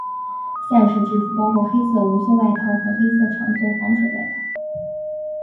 现时制服包括黑色无袖外套和黑色长袖防水外套。